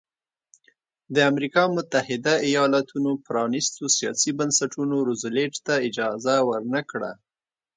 د امریکا متحده ایالتونو پرانیستو سیاسي بنسټونو روزولټ ته اجازه ورنه کړه.